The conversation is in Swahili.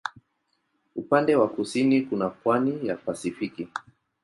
Upande wa kusini kuna pwani na Pasifiki.